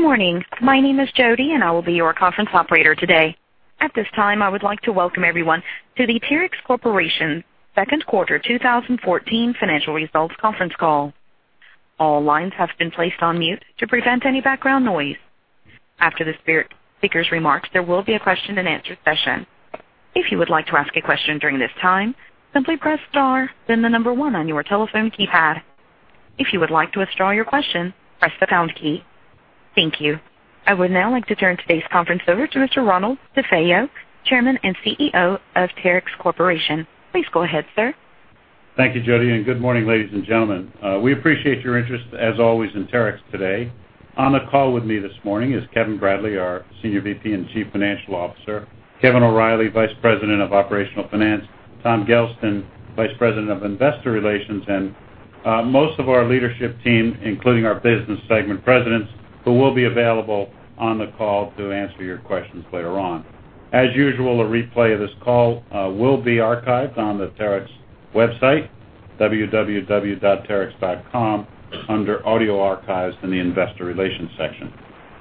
Good morning. My name is Jody, and I will be your conference operator today. At this time, I would like to welcome everyone to the Terex Corporation Second Quarter 2014 Financial Results Conference Call. All lines have been placed on mute to prevent any background noise. After the speakers' remarks, there will be a question-and-answer session. If you would like to ask a question during this time, simply press star then the number 1 on your telephone keypad. If you would like to withdraw your question, press the pound key. Thank you. I would now like to turn today's conference over to Mr. Ronald DeFeo, Chairman and CEO of Terex Corporation. Please go ahead, sir. Thank you, Jody, and good morning, ladies and gentlemen. We appreciate your interest, as always, in Terex today. On the call with me this morning is Kevin Bradley, our Senior VP and Chief Financial Officer, Kevin O'Reilly, Vice President of Operational Finance, Tom Gelston, Vice President of Investor Relations, and most of our leadership team, including our business segment presidents, who will be available on the call to answer your questions later on. As usual, a replay of this call will be archived on the Terex website, www.terex.com, under Audio Archives in the Investor Relations section.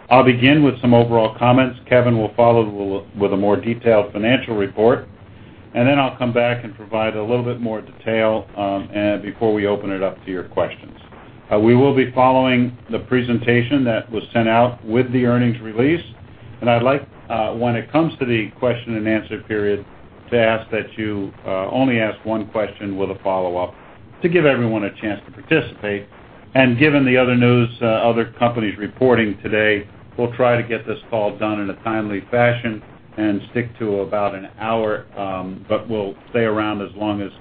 I'll begin with some overall comments. Kevin will follow with a more detailed financial report, then I'll come back and provide a little bit more detail before we open it up to your questions. We will be following the presentation that was sent out with the earnings release. I'd like, when it comes to the question-and-answer period, to ask that you only ask one question with a follow-up to give everyone a chance to participate. Given the other news other companies reporting today, we'll try to get this call done in a timely fashion and stick to about an hour. We'll stay around as long as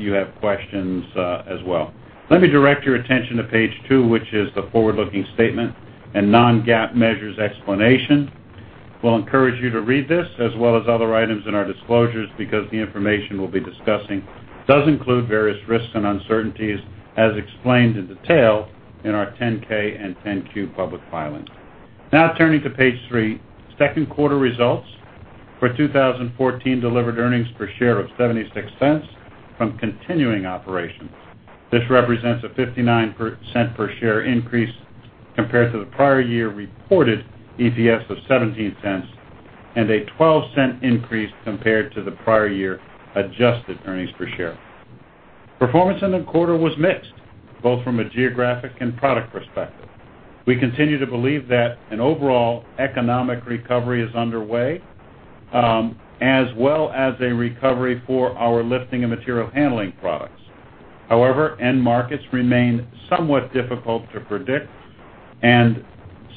you have questions as well. Let me direct your attention to page two, which is the forward-looking statement and non-GAAP measures explanation. We'll encourage you to read this as well as other items in our disclosures because the information we'll be discussing does include various risks and uncertainties, as explained in detail in our 10-K and 10-Q public filings. Now turning to page three. Second quarter results for 2014 delivered earnings per share of $0.76 from continuing operations. This represents a 59% per share increase compared to the prior year reported EPS of $0.17 and a $0.12 increase compared to the prior year adjusted earnings per share. Performance in the quarter was mixed, both from a geographic and product perspective. We continue to believe that an overall economic recovery is underway, as well as a recovery for our lifting and material handling products. However, end markets remain somewhat difficult to predict and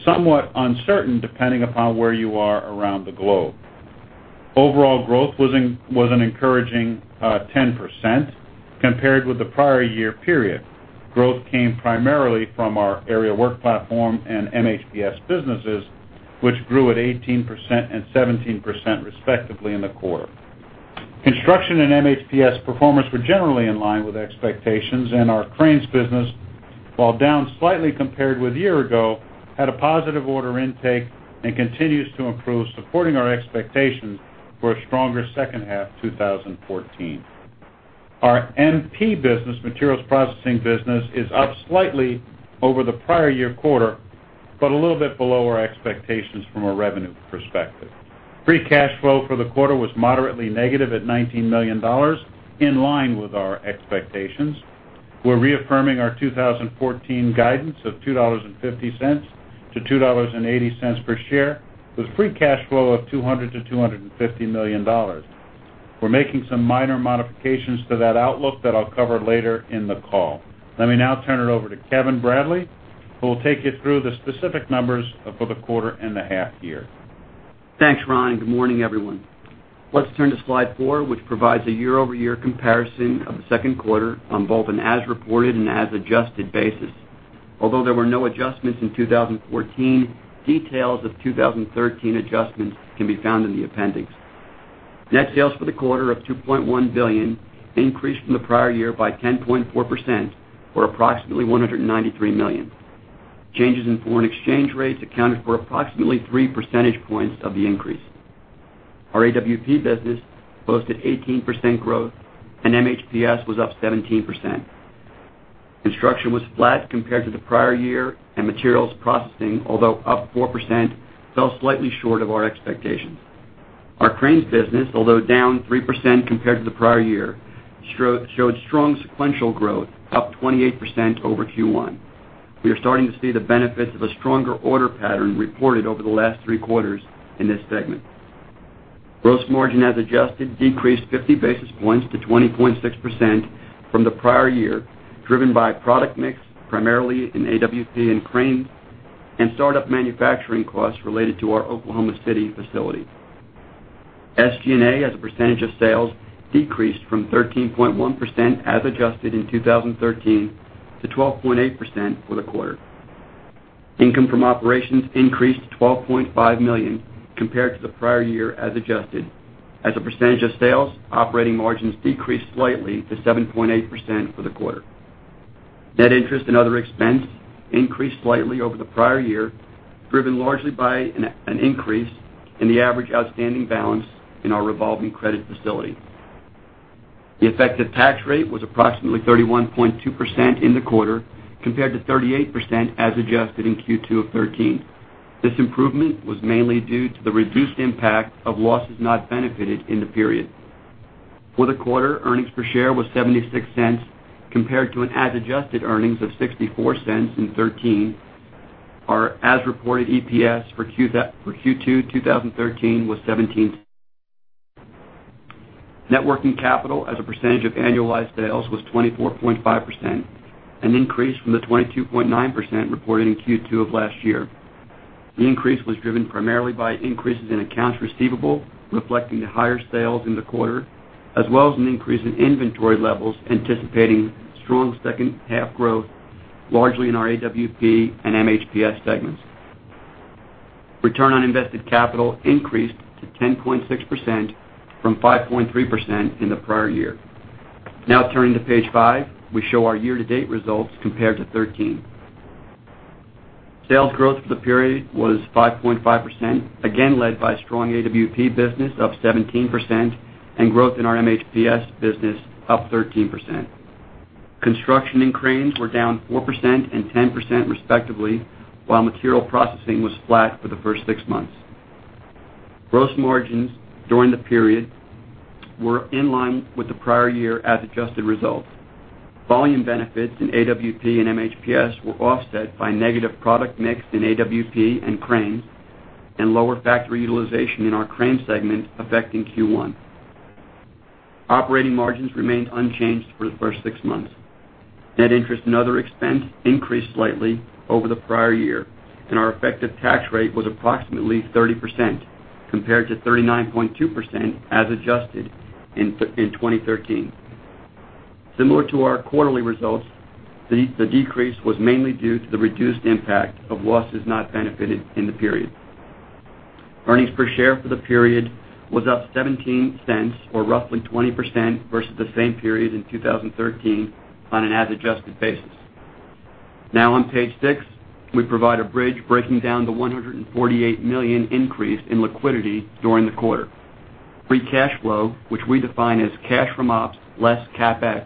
somewhat uncertain depending upon where you are around the globe. Overall growth was an encouraging 10% compared with the prior year period. Growth came primarily from our Aerial Work Platform and MHPS businesses, which grew at 18% and 17%, respectively, in the quarter. Construction and MHPS performance were generally in line with expectations and our Cranes business, while down slightly compared with a year ago, had a positive order intake and continues to improve, supporting our expectations for a stronger second half 2014. Our MP business, Materials Processing business, is up slightly over the prior year quarter, but a little bit below our expectations from a revenue perspective. Free cash flow for the quarter was moderately negative at $19 million, in line with our expectations. We're reaffirming our 2014 guidance of $2.50-$2.80 per share, with free cash flow of $200 million-$250 million. We're making some minor modifications to that outlook that I'll cover later in the call. Let me now turn it over to Kevin Bradley, who will take you through the specific numbers for the quarter and the half year. Thanks, Ron. Good morning, everyone. Let's turn to slide four, which provides a year-over-year comparison of the second quarter on both an as-reported and as-adjusted basis. Although there were no adjustments in 2014, details of 2013 adjustments can be found in the appendix. Net sales for the quarter of $2.1 billion increased from the prior year by 10.4%, or approximately $193 million. Changes in foreign exchange rates accounted for approximately three percentage points of the increase. Our AWP business posted 18% growth and MHPS was up 17%. Construction was flat compared to the prior year and Materials Processing, although up 4%, fell slightly short of our expectations. Our Cranes business, although down 3% compared to the prior year, showed strong sequential growth, up 28% over Q1. We are starting to see the benefits of a stronger order pattern reported over the last three quarters in this segment. Gross margin, as adjusted, decreased 50 basis points to 20.6% from the prior year, driven by product mix, primarily in AWP and Cranes, and startup manufacturing costs related to our Oklahoma City facility. SG&A as a percentage of sales decreased from 13.1%, as adjusted in 2013, to 12.8% for the quarter. Income from operations increased to $12.5 million compared to the prior year as adjusted. As a percentage of sales, operating margins decreased slightly to 7.8% for the quarter. Net interest and other expense increased slightly over the prior year, driven largely by an increase in the average outstanding balance in our revolving credit facility. The effective tax rate was approximately 31.2% in the quarter, compared to 38% as adjusted in Q2 of 2013. This improvement was mainly due to the reduced impact of losses not benefited in the period. For the quarter, earnings per share was $0.76, compared to an as adjusted earnings of $0.64 in 2013. Our as reported EPS for Q2 2013 was $0.17. Net working capital as a percentage of annualized sales was 24.5%, an increase from the 22.9% reported in Q2 of last year. The increase was driven primarily by increases in accounts receivable, reflecting the higher sales in the quarter, as well as an increase in inventory levels, anticipating strong second half growth, largely in our AWP and MHPS segments. Return on invested capital increased to 10.6% from 5.3% in the prior year. Turning to page five, we show our year-to-date results compared to 2013. Sales growth for the period was 5.5%, again led by strong AWP business, up 17%, and growth in our MHPS business, up 13%. Construction and cranes were down 4% and 10% respectively, while Material Processing was flat for the first six months. Gross margins during the period were in line with the prior year as adjusted results. Volume benefits in AWP and MHPS were offset by negative product mix in AWP and cranes, and lower factory utilization in our Cranes segment affecting Q1. Operating margins remained unchanged for the first six months. Net interest and other expense increased slightly over the prior year, and our effective tax rate was approximately 30%, compared to 39.2% as adjusted in 2013. Similar to our quarterly results, the decrease was mainly due to the reduced impact of losses not benefited in the period. Earnings per share for the period was up $0.17, or roughly 20% versus the same period in 2013 on an as adjusted basis. On page six, we provide a bridge breaking down the $148 million increase in liquidity during the quarter. Free cash flow, which we define as cash from ops less CapEx,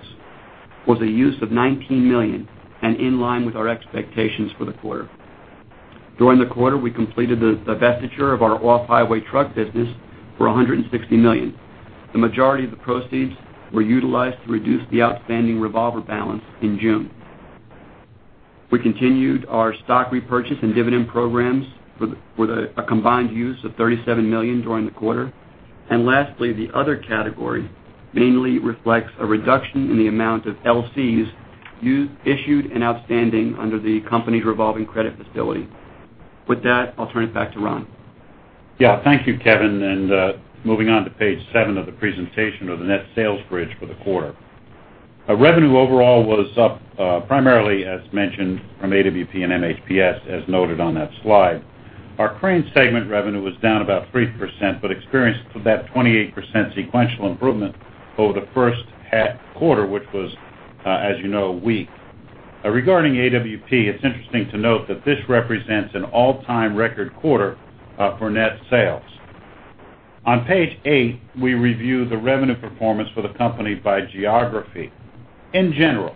was a use of $19 million and in line with our expectations for the quarter. During the quarter, we completed the divestiture of our off-highway truck business for $160 million. The majority of the proceeds were utilized to reduce the outstanding revolver balance in June. We continued our stock repurchase and dividend programs with a combined use of $37 million during the quarter. Lastly, the other category mainly reflects a reduction in the amount of LCs issued and outstanding under the company's revolving credit facility. With that, I'll turn it back to Ron. Thank you, Kevin. Moving on to page seven of the presentation or the net sales bridge for the quarter. Our revenue overall was up, primarily, as mentioned, from AWP and MHPS, as noted on that slide. Our Cranes segment revenue was down about 3% but experienced about 28% sequential improvement over the first half quarter, which was, as you know, weak. Regarding AWP, it's interesting to note that this represents an all-time record quarter for net sales. On page eight, we review the revenue performance for the company by geography. In general,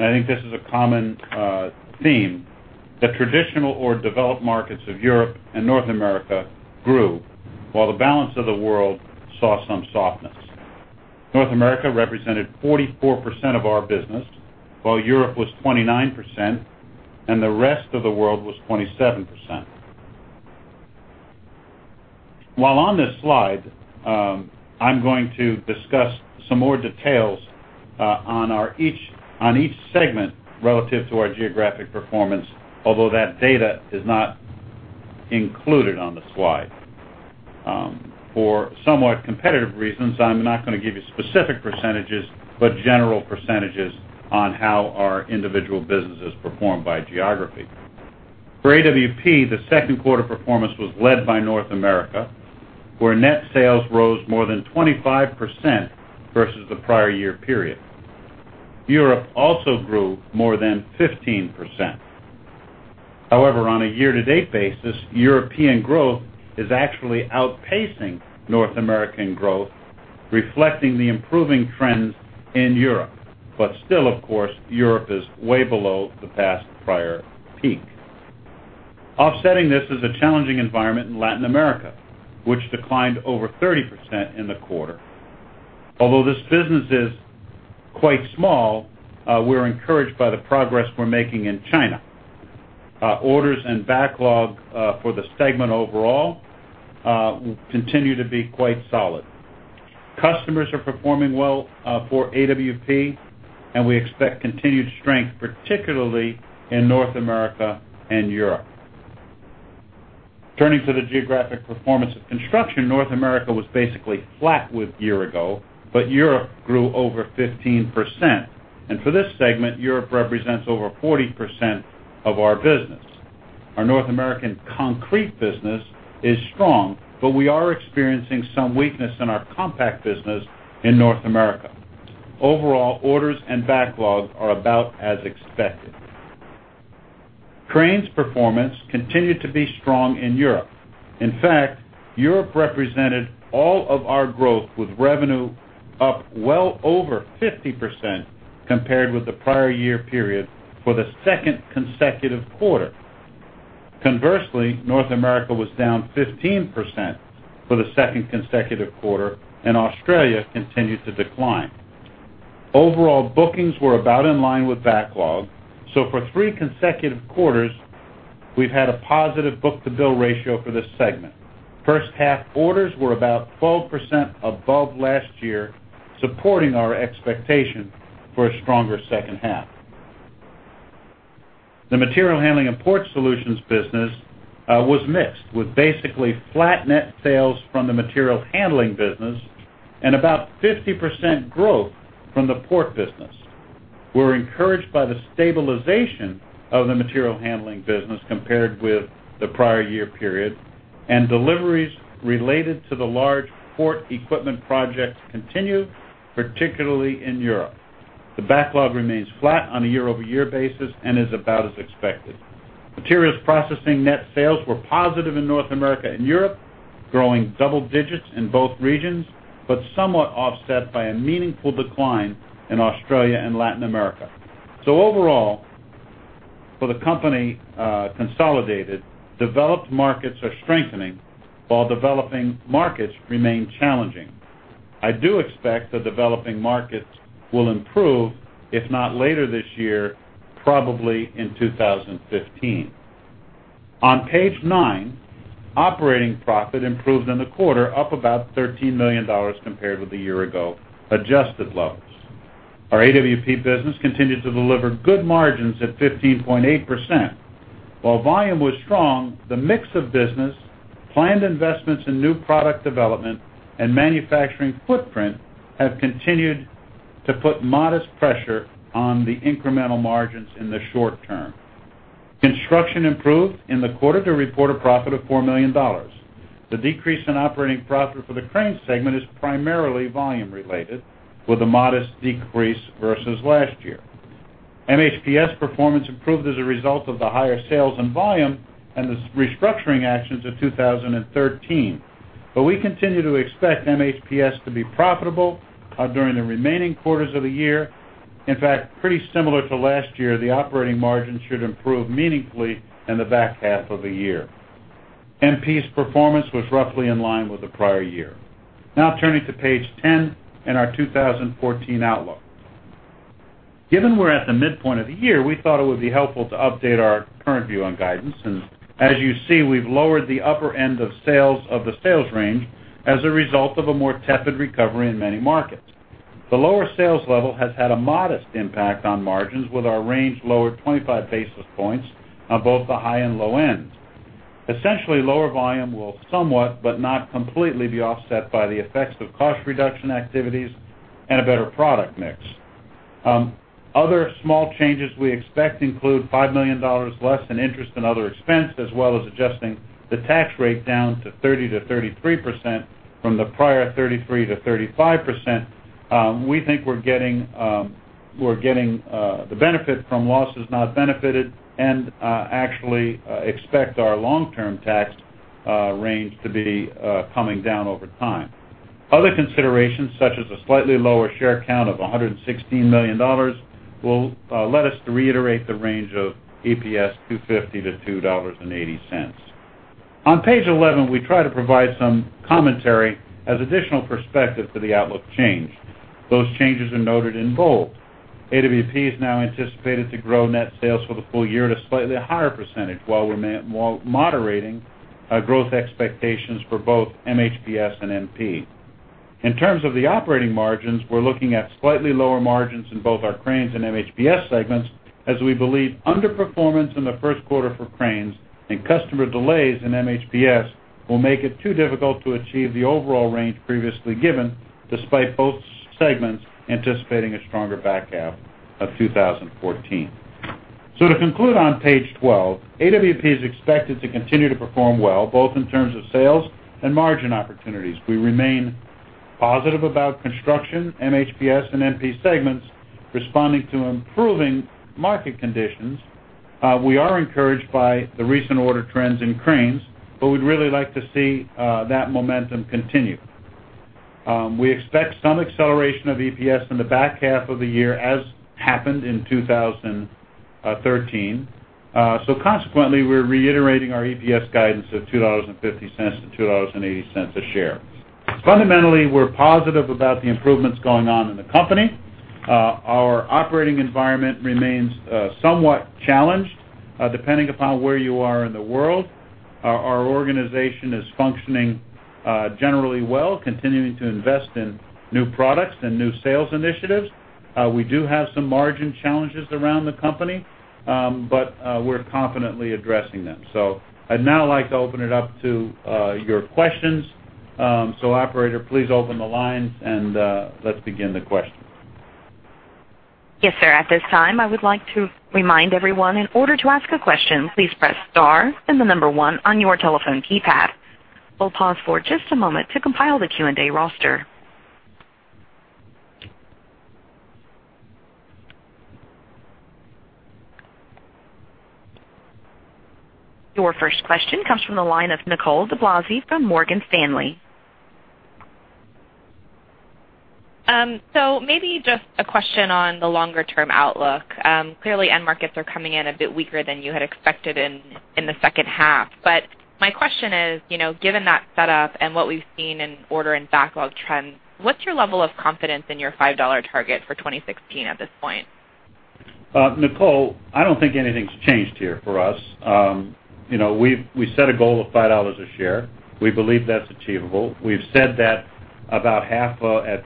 I think this is a common theme, the traditional or developed markets of Europe and North America grew while the balance of the world saw some softness. North America represented 44% of our business, while Europe was 29%, and the rest of the world was 27%. While on this slide, I'm going to discuss some more details on each segment relative to our geographic performance, although that data is not included on the slide. For somewhat competitive reasons, I'm not going to give you specific percentages, but general percentages on how our individual businesses perform by geography. For AWP, the second quarter performance was led by North America, where net sales rose more than 25% versus the prior year period. Europe also grew more than 15%. On a year-to-date basis, European growth is actually outpacing North American growth, reflecting the improving trends in Europe. Still, of course, Europe is way below the past prior peak. Offsetting this is a challenging environment in Latin America, which declined over 30% in the quarter. Although this business is quite small, we're encouraged by the progress we're making in China. Orders and backlog for the segment overall continue to be quite solid. Customers are performing well for AWP, and we expect continued strength, particularly in North America and Europe. Turning to the geographic performance of construction, North America was basically flat with year ago, but Europe grew over 15%. For this segment, Europe represents over 40% of our business. Our North American concrete business is strong, but we are experiencing some weakness in our compact business in North America. Overall, orders and backlogs are about as expected. Cranes performance continued to be strong in Europe. In fact, Europe represented all of our growth with revenue up well over 50% compared with the prior year period for the second consecutive quarter. Conversely, North America was down 15% for the second consecutive quarter, and Australia continued to decline. Overall, bookings were about in line with backlog. For three consecutive quarters, we've had a positive book-to-bill ratio for this segment. First half orders were about 12% above last year, supporting our expectation for a stronger second half. The Material Handling & Port Solutions business was mixed with basically flat net sales from the material handling business and about 50% growth from the port business. We're encouraged by the stabilization of the material handling business compared with the prior year period, and deliveries related to the large port equipment projects continued, particularly in Europe. The backlog remains flat on a year-over-year basis and is about as expected. Materials Processing net sales were positive in North America and Europe, growing double digits in both regions, but somewhat offset by a meaningful decline in Australia and Latin America. Overall, for the company consolidated, developed markets are strengthening while developing markets remain challenging. I do expect the developing markets will improve, if not later this year, probably in 2015. On page nine, operating profit improved in the quarter, up about $13 million compared with a year ago, adjusted levels. Our AWP business continued to deliver good margins at 15.8%. While volume was strong, the mix of business, planned investments in new product development and manufacturing footprint have continued to put modest pressure on the incremental margins in the short term. Construction improved in the quarter to report a profit of $4 million. The decrease in operating profit for the Cranes segment is primarily volume related, with a modest decrease versus last year. MHPS performance improved as a result of the higher sales and volume and the restructuring actions of 2013. We continue to expect MHPS to be profitable during the remaining quarters of the year. In fact, pretty similar to last year, the operating margin should improve meaningfully in the back half of the year. MP's performance was roughly in line with the prior year. Turning to page 10 and our 2014 outlook. Given we're at the midpoint of the year, we thought it would be helpful to update our current view on guidance. As you see, we've lowered the upper end of the sales range as a result of a more tepid recovery in many markets. The lower sales level has had a modest impact on margins, with our range lowered 25 basis points on both the high and low ends. Essentially, lower volume will somewhat, but not completely be offset by the effects of cost reduction activities and a better product mix. Other small changes we expect include $5 million less in interest in other expense, as well as adjusting the tax rate down to 30%-33% from the prior 33%-35%. We think we're getting the benefit from losses not benefited, and actually expect our long-term tax range to be coming down over time. Other considerations, such as a slightly lower share count of $116 million, will let us reiterate the range of EPS $2.50 to $2.80. On page 11, we try to provide some commentary as additional perspective to the outlook change. Those changes are noted in bold. AWP is now anticipated to grow net sales for the full year at a slightly higher percentage, while moderating our growth expectations for both MHPS and MP. In terms of the operating margins, we're looking at slightly lower margins in both our Cranes and MHPS segments as we believe underperformance in the first quarter for Cranes and customer delays in MHPS will make it too difficult to achieve the overall range previously given, despite both segments anticipating a stronger back half of 2014. To conclude on page 12, AWP is expected to continue to perform well, both in terms of sales and margin opportunities. We remain positive about construction, MHPS, and MP segments responding to improving market conditions. We are encouraged by the recent order trends in Cranes, but we'd really like to see that momentum continue. We expect some acceleration of EPS in the back half of the year, as happened in 2013. Consequently, we're reiterating our EPS guidance of $2.50 to $2.80 a share. Fundamentally, we're positive about the improvements going on in the company. Our operating environment remains somewhat challenged, depending upon where you are in the world. Our organization is functioning generally well, continuing to invest in new products and new sales initiatives. We do have some margin challenges around the company, but we're confidently addressing them. I'd now like to open it up to your questions. Operator, please open the lines and let's begin the questions. Yes, sir. At this time, I would like to remind everyone, in order to ask a question, please press star and the number one on your telephone keypad. We'll pause for just a moment to compile the Q&A roster. Your first question comes from the line of Nicole DeBlasE from Morgan Stanley. Maybe just a question on the longer-term outlook. Clearly, end markets are coming in a bit weaker than you had expected in the second half. My question is, given that setup and what we've seen in order and backlog trends, what's your level of confidence in your $5 target for 2016 at this point? Nicole DeBlase, I don't think anything's changed here for us. We set a goal of $5 a share. We believe that's achievable. We've said that about half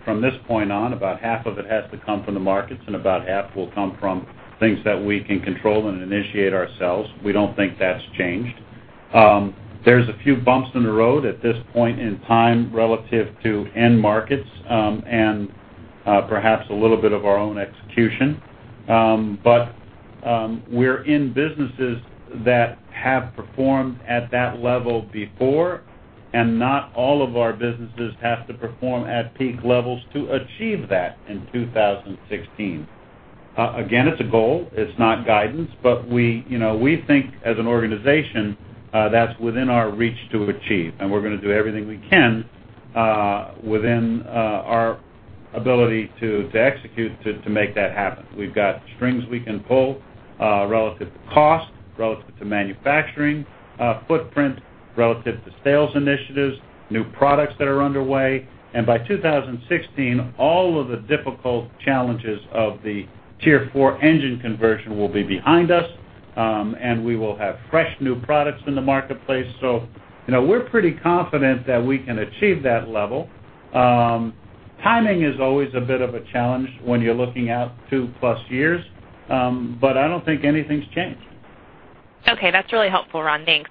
from this point on, about half of it has to come from the markets, and about half will come from things that we can control and initiate ourselves. We don't think that's changed. There's a few bumps in the road at this point in time relative to end markets, and perhaps a little bit of our own execution. We're in businesses that have performed at that level before, and not all of our businesses have to perform at peak levels to achieve that in 2016. Again, it's a goal. It's not guidance, we think as an organization, that's within our reach to achieve, and we're going to do everything we can within our ability to execute to make that happen. We've got strings we can pull relative to cost, relative to manufacturing footprint, relative to sales initiatives, new products that are underway. By 2016, all of the difficult challenges of the Tier 4 engine conversion will be behind us, and we will have fresh new products in the marketplace. We're pretty confident that we can achieve that level. Timing is always a bit of a challenge when you're looking out two-plus years, I don't think anything's changed. Okay, that's really helpful, Ron, thanks.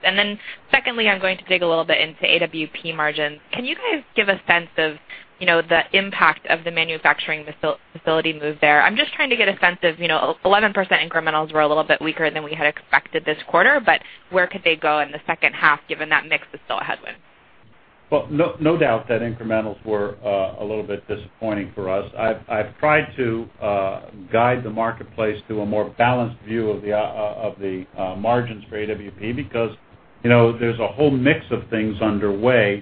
Secondly, I'm going to dig a little bit into AWP margins. Can you guys give a sense of the impact of the manufacturing facility move there? I'm just trying to get a sense of 11% incrementals were a little bit weaker than we had expected this quarter, where could they go in the second half, given that mix is still a headwind? Well, no doubt that incrementals were a little bit disappointing for us. I've tried to guide the marketplace to a more balanced view of the margins for AWP because there's a whole mix of things underway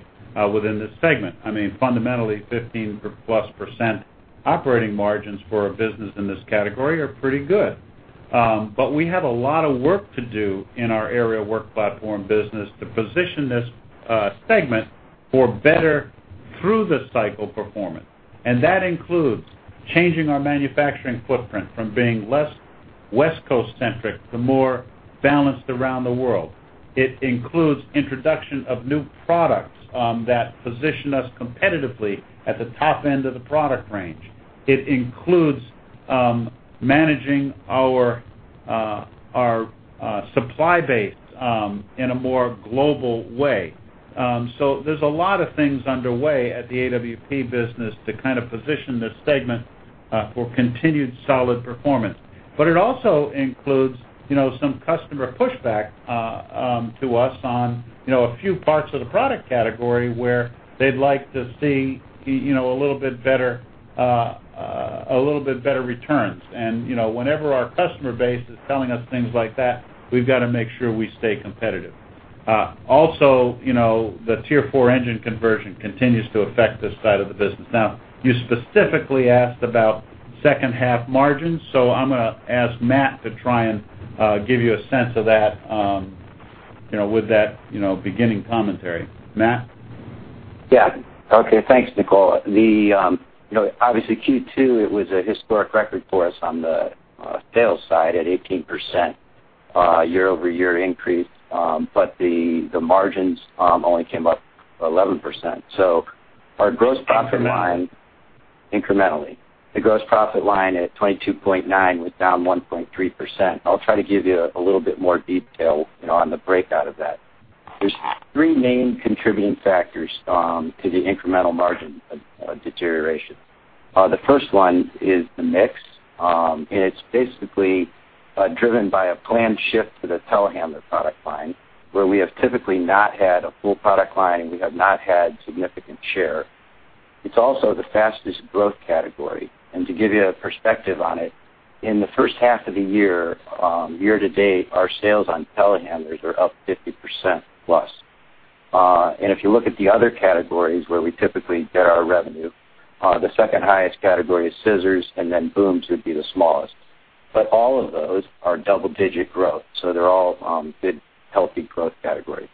within this segment. Fundamentally, 15+% operating margins for a business in this category are pretty good. We have a lot of work to do in our Aerial Work Platforms business to position this segment for better through-the-cycle performance. That includes changing our manufacturing footprint from being less West Coast-centric to more balanced around the world. It includes introduction of new products that position us competitively at the top end of the product range. It includes managing our supply base in a more global way. There's a lot of things underway at the AWP business to kind of position this segment for continued solid performance. It also includes some customer pushback to us on a few parts of the product category where they'd like to see a little bit better returns. Whenever our customer base is telling us things like that, we've got to make sure we stay competitive. Also, the Tier 4 engine conversion continues to affect this side of the business. Now, you specifically asked about second half margins, I'm going to ask Matt to try and give you a sense of that with that beginning commentary. Matt? Yeah. Okay, thanks, Nicole. Obviously, Q2, it was a historic record for us on the sales side at 18% year-over-year increase. The margins only came up 11%. Incrementally Incrementally. The gross profit line at 22.9% was down 1.3%. I'll try to give you a little bit more detail on the breakout of that. There's three main contributing factors to the incremental margin deterioration. The first one is the mix, and it's basically driven by a planned shift to the telehandler product line, where we have typically not had a full product line, and we have not had significant share. It's also the fastest growth category. To give you a perspective on it, in the first half of the year to date, our sales on telehandlers are up 50%+. If you look at the other categories where we typically get our revenue, the second highest category is scissors, and then booms would be the smallest. All of those are double-digit growth, so they're all good, healthy growth categories.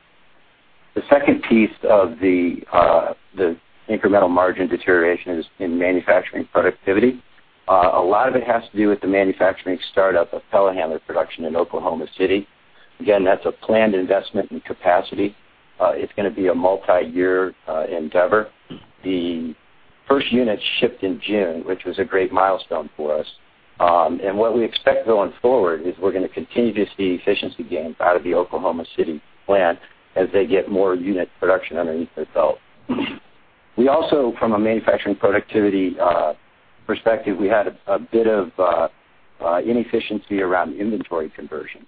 The second piece of the incremental margin deterioration is in manufacturing productivity. A lot of it has to do with the manufacturing startup of telehandler production in Oklahoma City. Again, that's a planned investment in capacity. It's going to be a multi-year endeavor. The first units shipped in June, which was a great milestone for us. What we expect going forward is we're going to continue to see efficiency gains out of the Oklahoma City plant as they get more unit production underneath their belt. We also, from a manufacturing productivity perspective, we had a bit of inefficiency around inventory conversions.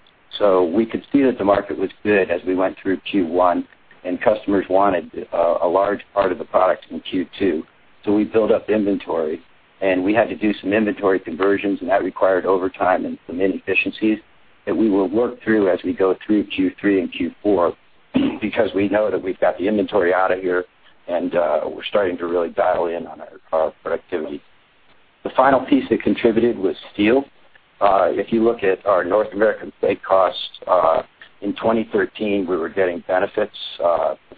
We could see that the market was good as we went through Q1, and customers wanted a large part of the products in Q2. We built up inventory, and we had to do some inventory conversions, and that required overtime and some inefficiencies that we will work through as we go through Q3 and Q4 because we know that we've got the inventory out of here, and we're starting to really dial in on our productivity. The final piece that contributed was steel. If you look at our North American plate costs, in 2013, we were getting benefits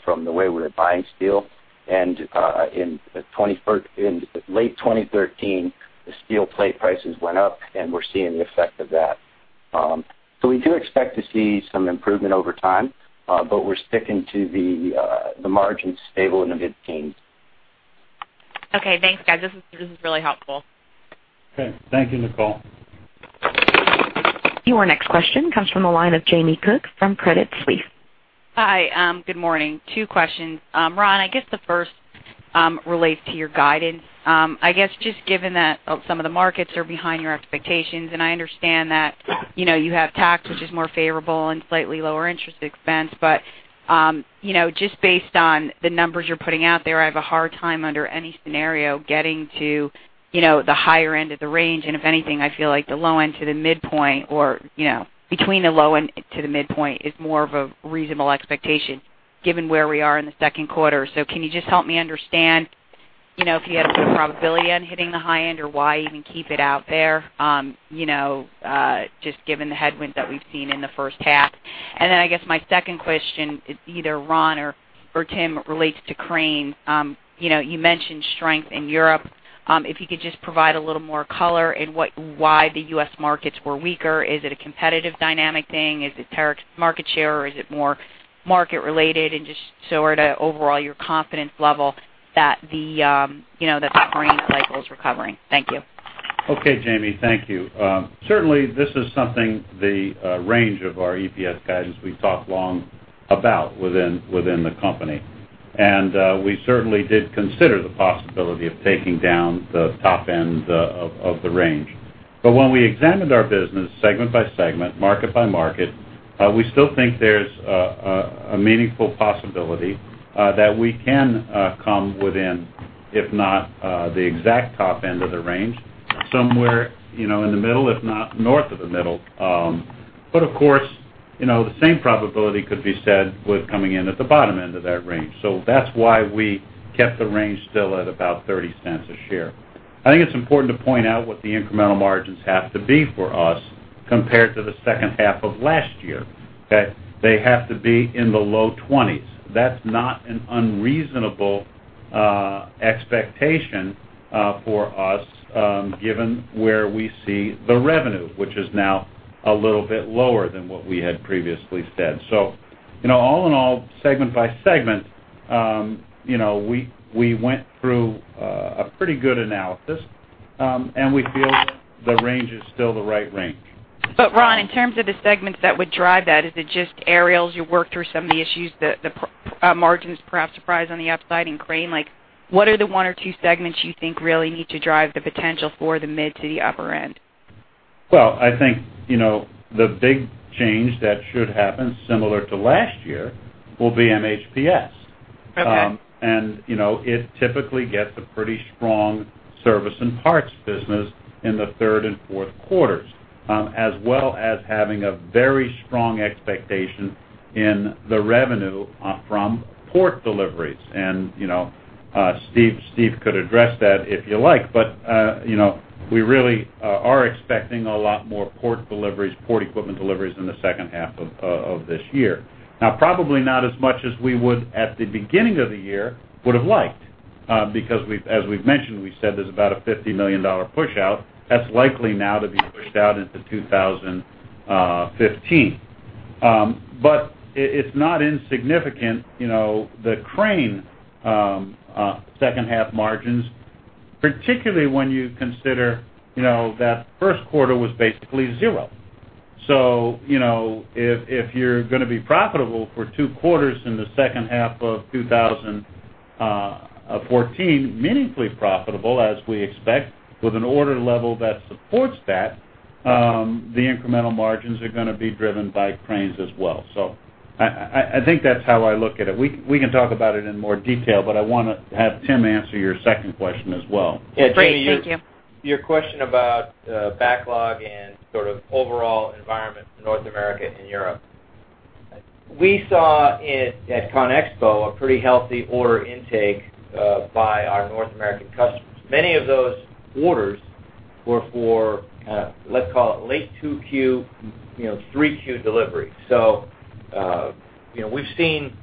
from the way we were buying steel. In late 2013, the steel plate prices went up, and we're seeing the effect of that. We do expect to see some improvement over time, but we're sticking to the margin stable in the mid-teens. Okay, thanks, guys. This is really helpful. Okay. Thank you, Nicole. Your next question comes from the line of Jamie Cook from Credit Suisse. Hi. Good morning. Two questions. Ron, I guess the first relates to your guidance. I guess, just given that some of the markets are behind your expectations, and I understand that you have tax which is more favorable and slightly lower interest expense, but just based on the numbers you're putting out there, I have a hard time under any scenario getting to the higher end of the range. If anything, I feel like the low end to the midpoint or between the low end to the midpoint is more of a reasonable expectation given where we are in the second quarter. Can you just help me understand if you had a good probability on hitting the high end or why even keep it out there just given the headwinds that we've seen in the first half? I guess my second question is either Ron or Tim relates to Crane. You mentioned strength in Europe. If you could just provide a little more color in why the U.S. markets were weaker. Is it a competitive dynamic thing? Is it market share, or is it more market related? Just sort of overall, your confidence level that the Crane lifecycle is recovering. Thank you. Okay, Jamie. Thank you. Certainly, this is something, the range of our EPS guidance, we've talked long about within the company. We certainly did consider the possibility of taking down the top end of the range. When we examined our business segment by segment, market by market, we still think there's a meaningful possibility that we can come within, if not the exact top end of the range, somewhere in the middle, if not north of the middle. Of course, the same probability could be said with coming in at the bottom end of that range. That's why we kept the range still at about $0.30 a share. I think it's important to point out what the incremental margins have to be for us compared to the second half of last year, that they have to be in the low 20s. That's not an unreasonable expectation for us given where we see the revenue, which is now a little bit lower than what we had previously said. All in all, segment by segment, we went through a pretty good analysis, and we feel that the range is still the right range. Ron, in terms of the segments that would drive that, is it just Aerials, you worked through some of the issues, the margins, perhaps surprise on the upside in Crane? What are the one or two segments you think really need to drive the potential for the mid to the upper end? Well, I think, the big change that should happen similar to last year will be MHPS. Okay. It typically gets a pretty strong service and parts business in the third and fourth quarters as well as having a very strong expectation in the revenue from port deliveries. Steve could address that if you like, we really are expecting a lot more port equipment deliveries in the second half of this year. Probably not as much as we would at the beginning of the year would have liked because as we've mentioned, we said there's about a $50 million pushout that's likely now to be pushed out into 2015. It's not insignificant, the Crane second half margins, particularly when you consider that first quarter was basically zero. If you're going to be profitable for two quarters in the second half of 2014, meaningfully profitable as we expect, with an order level that supports that, the incremental margins are going to be driven by Cranes as well. I think that's how I look at it. We can talk about it in more detail, I want to have Tim answer your second question as well. Great. Thank you. Jamie, your question about backlog and sort of overall environment in North America and Europe. We saw at ConExpo a pretty healthy order intake by our North American customers. Many of those orders were for, let's call it late 2Q, 3Q delivery. We've seen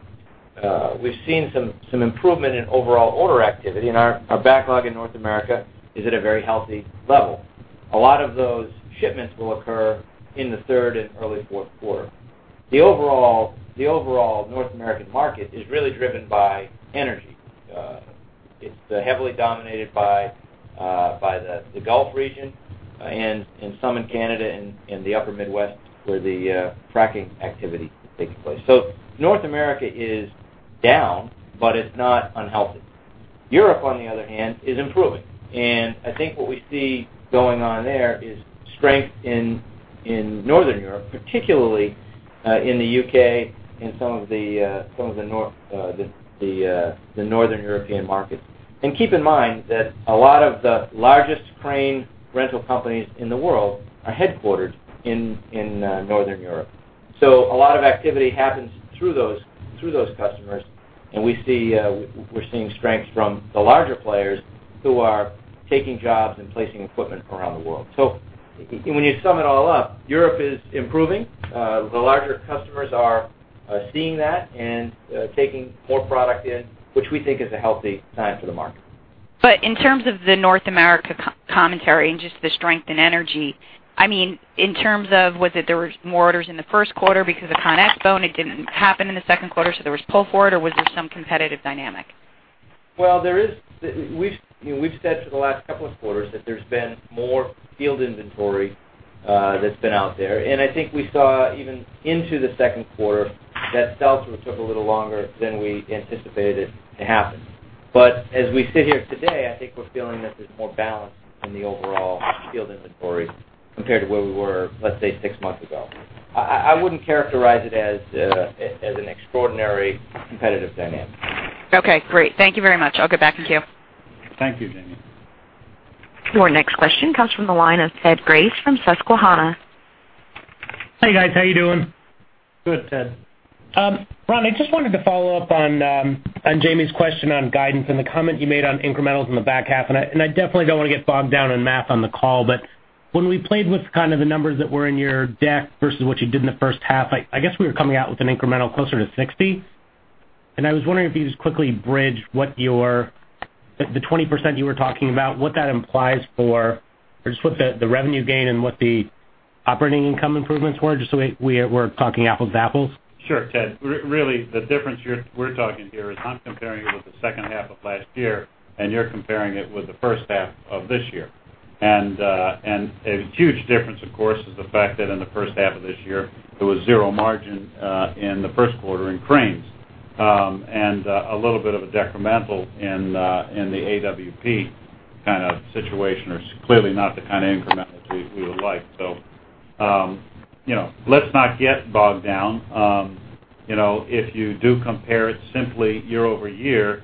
some improvement in overall order activity, and our backlog in North America is at a very healthy level. A lot of those shipments will occur in the third and early fourth quarter. The overall North American market is really driven by energy. It's heavily dominated by the Gulf region and some in Canada and the upper Midwest where the fracking activity is taking place. North America is down, but it's not unhealthy. Europe on the other hand, is improving. I think what we see going on there is strength in Northern Europe, particularly in the U.K. and some of the Northern European markets. Keep in mind that a lot of the largest crane rental companies in the world are headquartered in Northern Europe. A lot of activity happens through those customers, and we're seeing strength from the larger players who are taking jobs and placing equipment around the world. When you sum it all up, Europe is improving. The larger customers are seeing that and taking more product in, which we think is a healthy sign for the market. In terms of the North America commentary and just the strength in energy, in terms of whether there was more orders in the first quarter because of ConExpo and it didn't happen in the second quarter, so there was pull for it, or was there some competitive dynamic? We've said for the last couple of quarters that there's been more field inventory that's been out there. I think we saw even into the second quarter that sell-through took a little longer than we anticipated to happen. As we sit here today, I think we're feeling that there's more balance in the overall field inventory compared to where we were, let's say, six months ago. I wouldn't characterize it as an extraordinary competitive dynamic. Great. Thank you very much. I'll get back in queue. Thank you, Jamie. Your next question comes from the line of Ted Grace from Susquehanna. Hey, guys. How you doing? Good, Ted. Ron, I just wanted to follow up on Jamie's question on guidance and the comment you made on incrementals in the back half, and I definitely don't want to get bogged down on math on the call, but when we played with kind of the numbers that were in your deck versus what you did in the first half, I guess we were coming out with an incremental closer to 60. I was wondering if you just quickly bridge the 20% you were talking about, what that implies for, or just what the revenue gain and what the operating income improvements were, just so we're talking apples to apples. Sure, Ted. Really, the difference we're talking here is I'm comparing it with the second half of last year, and you're comparing it with the first half of this year. A huge difference, of course, is the fact that in the first half of this year, there was zero margin, in the first quarter in cranes. A little bit of a decremental in the AWP kind of situation or clearly not the kind of incremental we would like. Let's not get bogged down. If you do compare it simply year over year,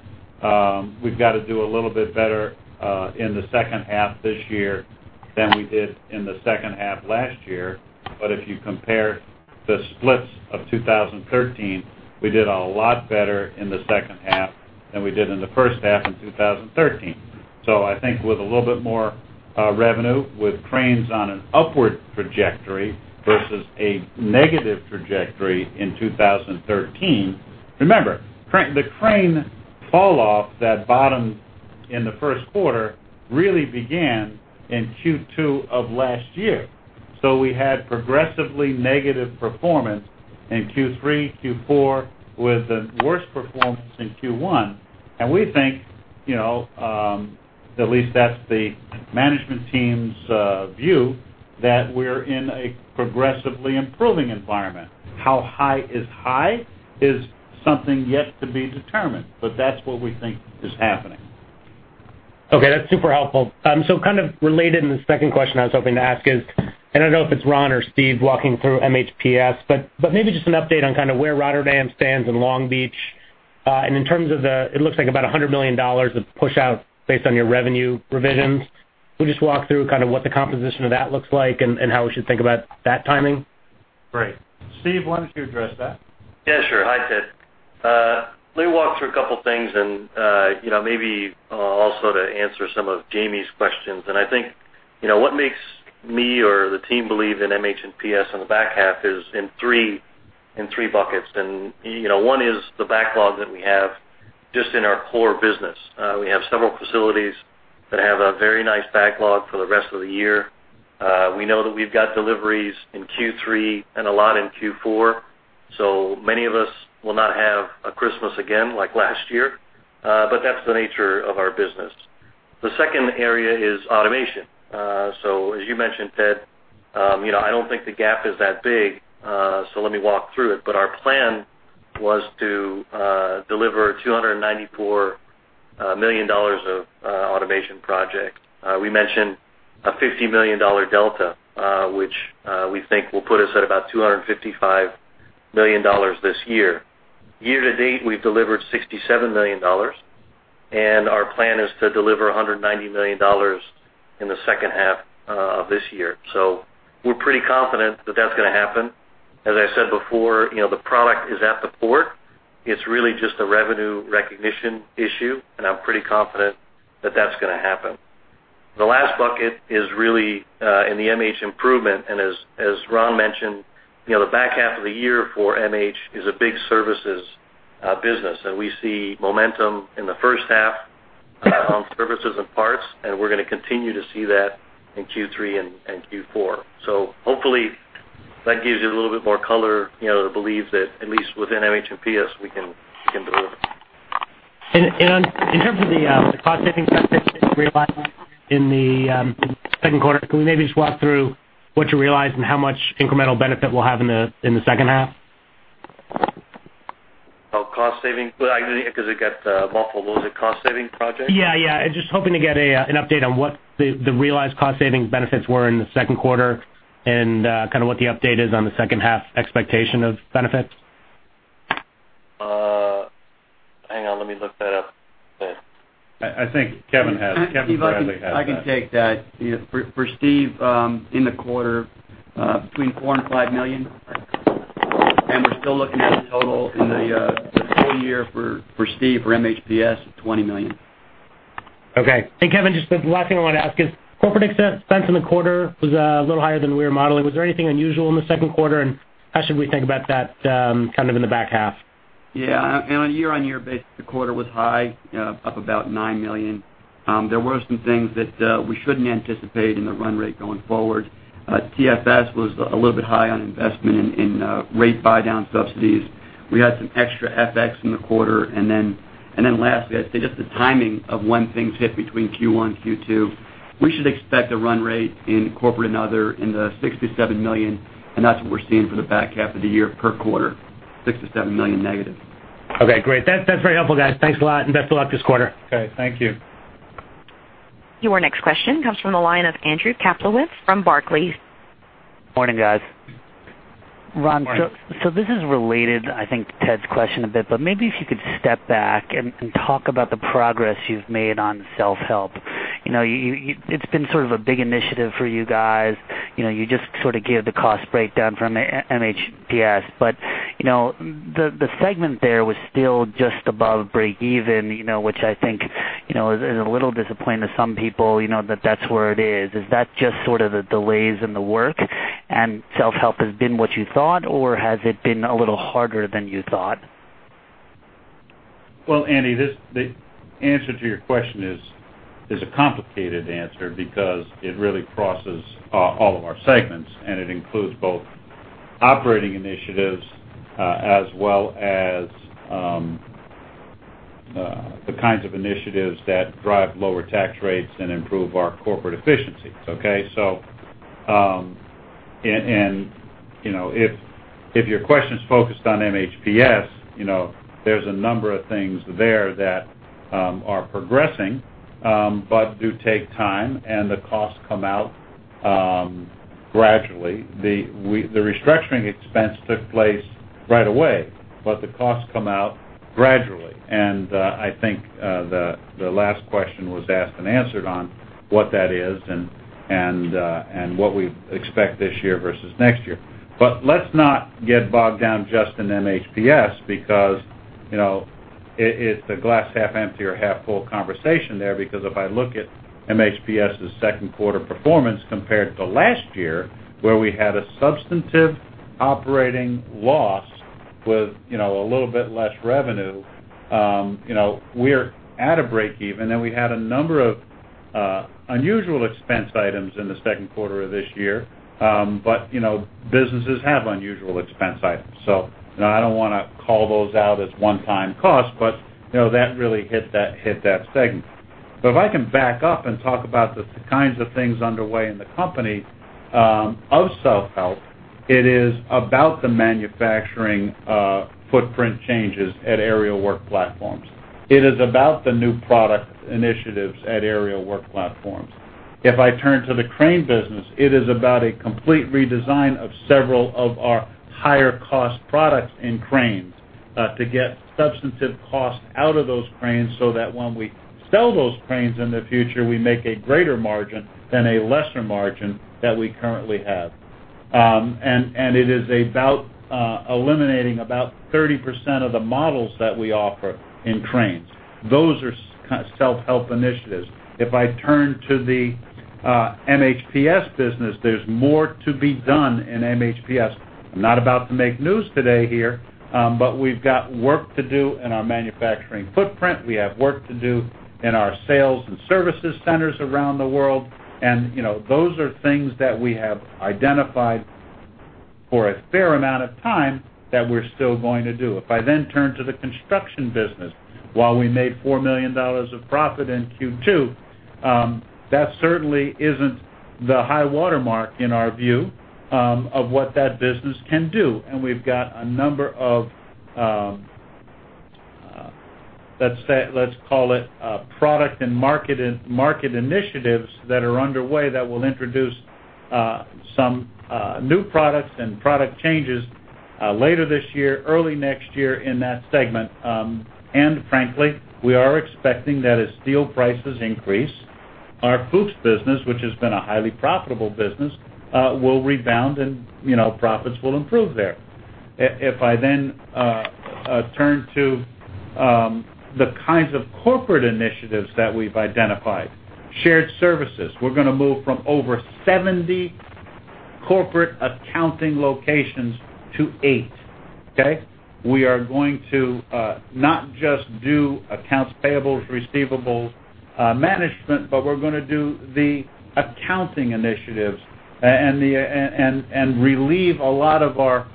we've got to do a little bit better, in the second half this year than we did in the second half last year. If you compare the splits of 2013, we did a lot better in the second half than we did in the first half in 2013. I think with a little bit more revenue with cranes on an upward trajectory versus a negative trajectory in 2013. Remember, the crane falloff that bottomed in the first quarter really began in Q2 of last year. We had progressively negative performance in Q3, Q4 with the worst performance in Q1. We think, at least that's the management team's view, that we're in a progressively improving environment. How high is high is something yet to be determined, but that's what we think is happening. Okay. That's super helpful. Kind of related and the second question I was hoping to ask is, I don't know if it's Ron or Steve walking through MHPS, but maybe just an update on kind of where Rotterdam stands in Long Beach. In terms of the, it looks like about $100 million of push out based on your revenue revisions. Can you just walk through kind of what the composition of that looks like and how we should think about that timing? Great. Steve, why don't you address that? Yeah, sure. Hi, Ted. Let me walk through a couple things and maybe also to answer some of Jamie's questions. I think what makes me or the team believe in MHPS in the back half is in three buckets. One is the backlog that we have just in our core business. We have several facilities that have a very nice backlog for the rest of the year. We know that we've got deliveries in Q3 and a lot in Q4. Many of us will not have a Christmas again like last year. That's the nature of our business. The second area is automation. As you mentioned, Ted, I don't think the gap is that big, so let me walk through it. Our plan was to deliver $294 million of automation projects. We mentioned a $50 million delta, which we think will put us at about $255 million this year. Year to date, we've delivered $67 million, and our plan is to deliver $190 million in the second half of this year. We're pretty confident that that's going to happen. As I said before, the product is at the port. It's really just a revenue recognition issue, and I'm pretty confident that that's going to happen. The last bucket is really in the MH improvement, and as Ron mentioned, the back half of the year for MH is a big services business. We see momentum in the first half on services and parts, and we're going to continue to see that in Q3 and Q4. Hopefully, that gives you a little bit more color, to believe that at least within MHPS, we can deliver. In terms of the cost savings that you realized in the second quarter, can we maybe just walk through what you realized and how much incremental benefit we'll have in the second half? Oh, cost saving? Because it got multiple. Was it cost-saving project? Yeah. I was just hoping to get an update on what the realized cost savings benefits were in the second quarter and what the update is on the second half expectation of benefits. Hang on, let me look that up. I think Kevin Bradley has that. I can take that. For Steve, in the quarter, between $four million and $five million. We're still looking at a total in the full year for Steve, for MHPS, of $20 million. Okay. Kevin, just the last thing I want to ask is, corporate expense in the quarter was a little higher than we were modeling. Was there anything unusual in the second quarter, and how should we think about that in the back half? Yeah. On a year-on-year basis, the quarter was high, up about $9 million. There were some things that we shouldn't anticipate in the run rate going forward. TFS was a little bit high on investment in rate buydown subsidies. We had some extra FX in the quarter. Lastly, I'd say just the timing of when things hit between Q1 and Q2. We should expect a run rate in corporate and other in the $6 million-$7 million, and that's what we're seeing for the back half of the year per quarter, $6 million-$7 million negative. Okay, great. That's very helpful, guys. Thanks a lot. Best of luck this quarter. Okay, thank you. Your next question comes from the line of Andrew Kaplowitz from Barclays. Morning, guys. Morning. Ron, this is related, I think, to Ted's question a bit, but maybe if you could step back and talk about the progress you've made on self-help. It's been sort of a big initiative for you guys. You just sort of gave the cost breakdown from MHPS, the segment there was still just above breakeven, which I think is a little disappointing to some people, that that's where it is. Is that just sort of the delays in the work, and self-help has been what you thought, or has it been a little harder than you thought? Well, Andy, the answer to your question is a complicated answer because it really crosses all of our segments, and it includes both operating initiatives as well as the kinds of initiatives that drive lower tax rates and improve our corporate efficiencies, okay? If your question's focused on MHPS, there's a number of things there that are progressing but do take time, and the costs come out gradually. The restructuring expense took place right away, but the costs come out gradually. I think the last question was asked and answered on what that is and what we expect this year versus next year. Let's not get bogged down just in MHPS because it's a glass half empty or half full conversation there. If I look at MHPS's second quarter performance compared to last year, where we had a substantive operating loss with a little bit less revenue, we're at a breakeven. We had a number of unusual expense items in the second quarter of this year. Businesses have unusual expense items, so I don't want to call those out as one-time costs, but that really hit that segment. If I can back up and talk about the kinds of things underway in the company, of self-help, it is about the manufacturing footprint changes at Aerial Work Platforms. It is about the new product initiatives at Aerial Work Platforms. If I turn to the crane business, it is about a complete redesign of several of our higher-cost products in cranes to get substantive cost out of those cranes so that when we sell those cranes in the future, we make a greater margin than a lesser margin that we currently have. It is about eliminating about 30% of the models that we offer in cranes. Those are self-help initiatives. If I turn to the MHPS business, there's more to be done in MHPS. I'm not about to make news today here, but we've got work to do in our manufacturing footprint. We have work to do in our sales and services centers around the world. Those are things that we have identified for a fair amount of time that we're still going to do. If I turn to the construction business, while we made $4 million of profit in Q2, that certainly isn't the high watermark in our view of what that business can do. We've got a number of, let's call it, product and market initiatives that are underway that will introduce some new products and product changes later this year, early next year in that segment. Frankly, we are expecting that as steel prices increase, our Fuchs business, which has been a highly profitable business, will rebound and profits will improve there. If I turn to the kinds of corporate initiatives that we've identified. Shared services, we're going to move from over 70 corporate accounting locations to eight. Okay? We are going to not just do accounts payables, receivables management, but we're going to do the accounting initiatives and relieve a lot of our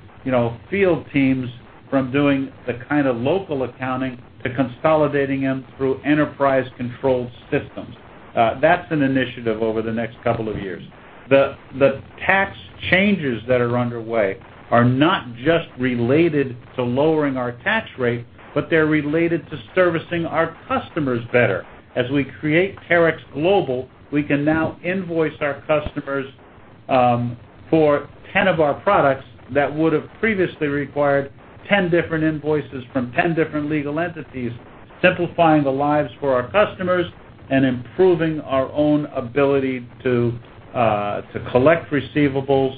field teams from doing the kind of local accounting to consolidating them through enterprise-controlled systems. That's an initiative over the next couple of years. The tax changes that are underway are not just related to lowering our tax rate, but they're related to servicing our customers better. As we create Terex Global, we can now invoice our customers for 10 of our products that would have previously required 10 different invoices from 10 different legal entities, simplifying the lives for our customers and improving our own ability to collect receivables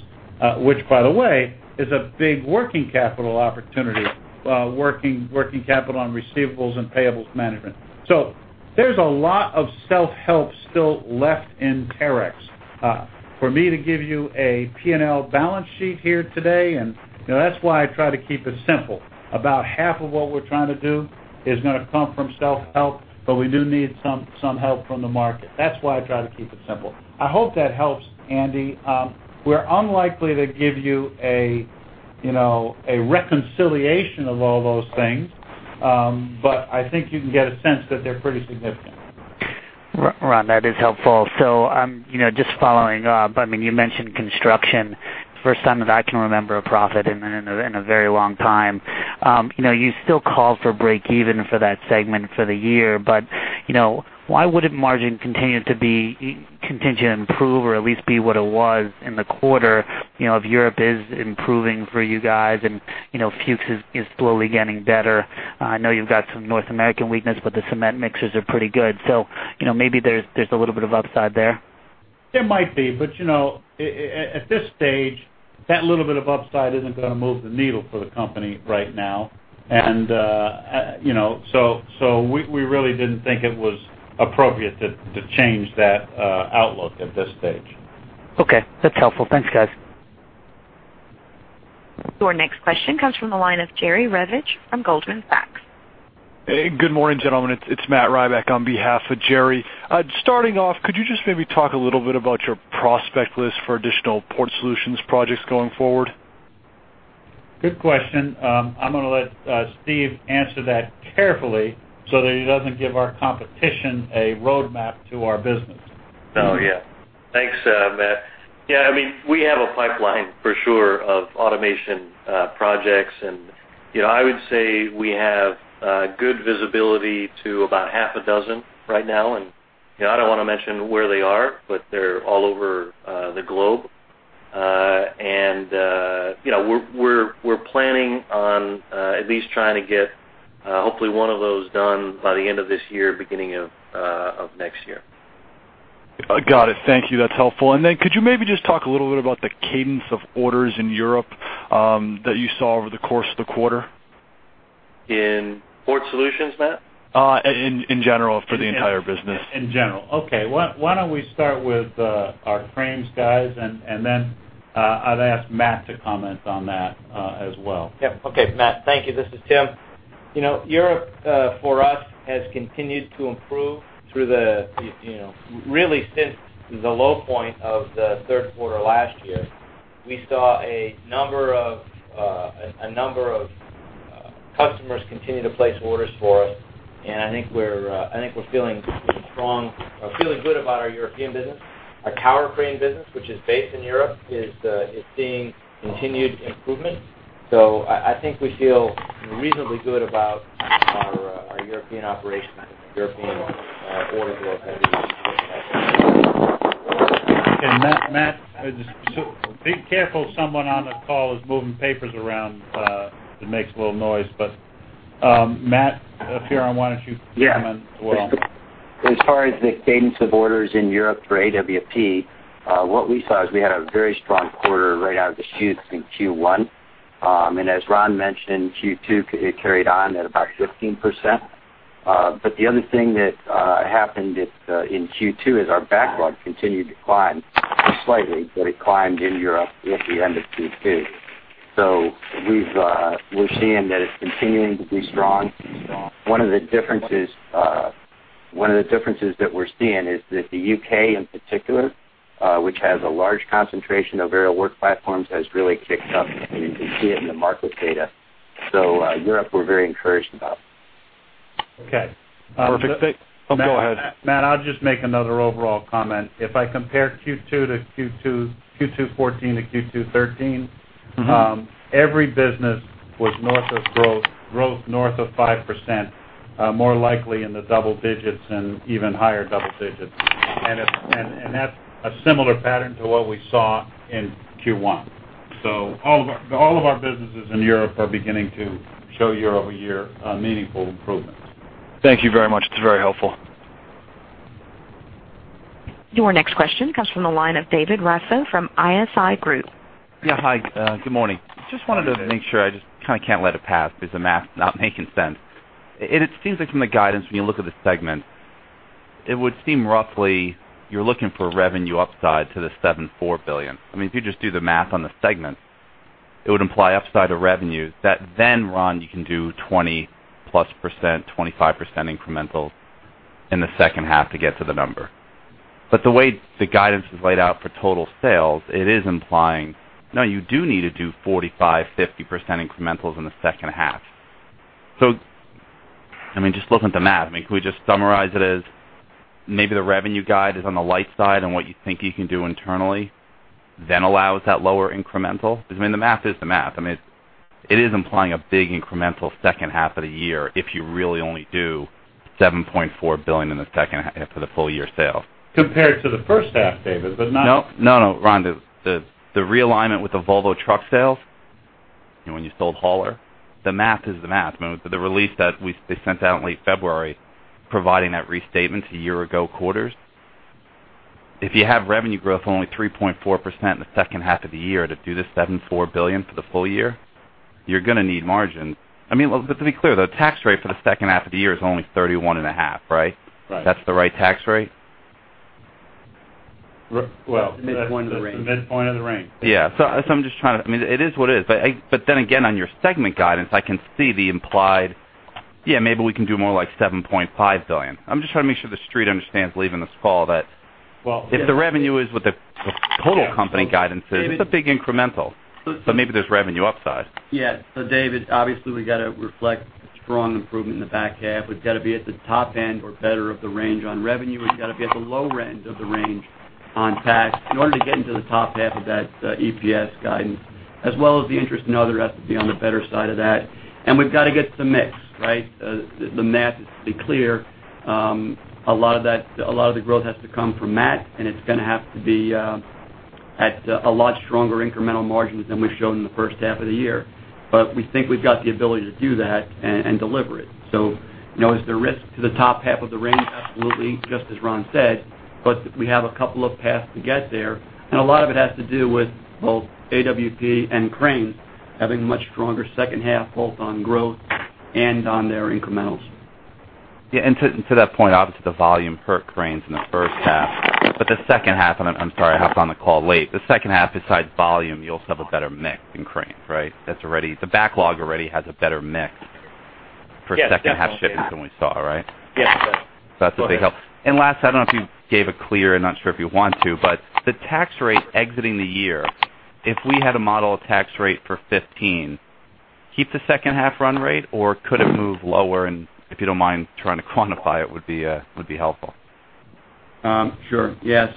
which, by the way, is a big working capital opportunity, working capital on receivables and payables management. There's a lot of self-help still left in Terex. For me to give you a P&L balance sheet here today. That's why I try to keep it simple. About half of what we're trying to do is going to come from self-help. We do need some help from the market. That's why I try to keep it simple. I hope that helps, Andy. We're unlikely to give you a reconciliation of all those things. I think you can get a sense that they're pretty significant. Ron, that is helpful. Just following up, you mentioned construction, first time that I can remember a profit in a very long time. You still call for break even for that segment for the year. Why wouldn't margin continue to improve or at least be what it was in the quarter if Europe is improving for you guys and Fuchs is slowly getting better? I know you've got some North American weakness. The cement mixers are pretty good. Maybe there's a little bit of upside there. There might be. At this stage, that little bit of upside isn't going to move the needle for the company right now. We really didn't think it was appropriate to change that outlook at this stage. Okay. That's helpful. Thanks, guys. Your next question comes from the line of Jerry Revich from Goldman Sachs. Hey, good morning, gentlemen. It is Matt Rybeck on behalf of Jerry. Starting off, could you just maybe talk a little bit about your prospect list for additional Port Solutions projects going forward? Good question. I am going to let Steve answer that carefully so that he does not give our competition a roadmap to our business. Oh, yeah. Thanks, Matt. Yeah, we have a pipeline for sure of automation projects, and I would say we have good visibility to about half a dozen right now, and I do not want to mention where they are, but they are all over the globe. We are planning on at least trying to get hopefully one of those done by the end of this year, beginning of next year. Got it. Thank you. That's helpful. Then could you maybe just talk a little bit about the cadence of orders in Europe that you saw over the course of the quarter? In Port Solutions, Matt? In general, for the entire business. In general. Okay. Why don't we start with our frames guys, then I'd ask Matt to comment on that as well. Yep. Okay, Matt, thank you. This is Tim. Europe for us has continued to improve really since the low point of the third quarter last year. We saw a number of customers continue to place orders for us, and I think we're feeling strong or feeling good about our European business. Our tower crane business, which is based in Europe, is seeing continued improvement. I think we feel reasonably good about our European operations and European orders. Matt, be careful. Someone on the call is moving papers around. It makes a little noise. Matt Fearon, why don't you comment as well? Yeah. As far as the cadence of orders in Europe for AWP, what we saw is we had a very strong quarter right out of the chutes in Q1. As Ron mentioned, in Q2, it carried on at about 15%. The other thing that happened in Q2 is our backlog continued to climb slightly, but it climbed in Europe at the end of Q2. We're seeing that it's continuing to be strong. One of the differences that we're seeing is that the U.K. in particular, which has a large concentration of Aerial Work Platforms, has really kicked up, and you can see it in the market data. Europe, we're very encouraged about. Okay. Perfect. Go ahead. Matt, I'll just make another overall comment. If I compare Q2 2014 to Q2 '13- Every business was north of growth, north of 5%, more likely in the double digits and even higher double digits. That's a similar pattern to what we saw in Q1. All of our businesses in Europe are beginning to show year-over-year meaningful improvements. Thank you very much. It's very helpful. Your next question comes from the line of David Raso from ISI Group. Yeah. Hi, good morning. Good morning, Dave. Just wanted to make sure, I just can't let it pass because the math's not making sense. It seems like from the guidance, when you look at the segment, it would seem roughly you're looking for revenue upside to the $7.4 billion. If you just do the math on the segment, it would imply upside of revenues that then, Ron, you can do 20-plus%, 25% incremental in the second half to get to the number. The way the guidance is laid out for total sales, it is implying now you do need to do 45%, 50% incrementals in the second half. Just looking at the math, can we just summarize it as maybe the revenue guide is on the light side and what you think you can do internally then allows that lower incremental? Because the math is the math. It is implying a big incremental second half of the year if you really only do $7.4 billion for the full year sales. Compared to the first half, David, but not. No, Ron, the realignment with the Volvo truck sales, when you sold Hauler, the math is the math. The release that they sent out in late February, providing that restatement to year ago quarters. If you have revenue growth only 3.4% in the second half of the year to do this $7.4 billion for the full year, you're going to need margin. To be clear, the tax rate for the second half of the year is only 31.5%, right? Right. That's the right tax rate? Well- The midpoint of the range. The midpoint of the range. Yeah. I'm just trying to It is what it is. again, on your segment guidance, I can see the implied, maybe we can do more like $7.5 billion. I'm just trying to make sure the Street understands leaving this call that- Well, yes if the revenue is what the total company guidance is, it's a big incremental. maybe there's revenue upside. Obviously, we've got to reflect strong improvement in the back half. We've got to be at the top end or better of the range on revenue. We've got to be at the low end of the range on tax in order to get into the top half of that EPS guidance, as well as the interest and other has to be on the better side of that. We've got to get to mix. The math is pretty clear. A lot of the growth has to come from Matt, and it's going to have to be at a lot stronger incremental margins than we've shown in the first half of the year. We think we've got the ability to do that and deliver it. Is there risk to the top half of the range? Absolutely, just as Ron said. We have a couple of paths to get there, and a lot of it has to do with both AWP and Cranes having much stronger second half, both on growth and on their incrementals. To that point, obviously, the volume per Cranes in the first half. The second half, I'm sorry, I hopped on the call late. The second half, besides volume, you also have a better mix in Cranes, right? The backlog already has a better mix for second half shipments than we saw, right? Yes. That's a big help. Last, I don't know if you gave a clear, I'm not sure if you want to. The tax rate exiting the year, if we had to model a tax rate for 2015, keep the second half run rate, or could it move lower? If you don't mind trying to quantify it would be helpful. Sure. Yeah.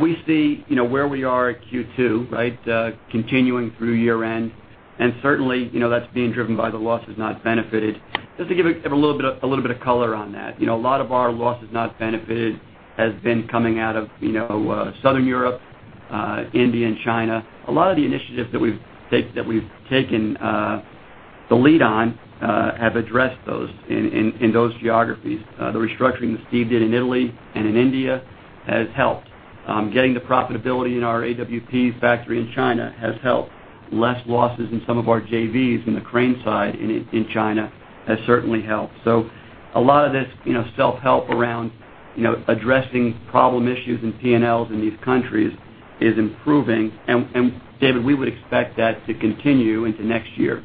We see where we are at Q2 continuing through year end, and certainly, that's being driven by the losses, not benefited. Just to give a little bit of color on that. A lot of our losses, not benefited, has been coming out of Southern Europe, India, and China. A lot of the initiatives that we've taken the lead on have addressed those in those geographies. The restructuring that Steve did in Italy and in India has helped. Getting the profitability in our AWP factory in China has helped. Less losses in some of our JVs in the Crane side in China has certainly helped. A lot of this self-help around addressing problem issues and P&Ls in these countries is improving. David, we would expect that to continue into next year.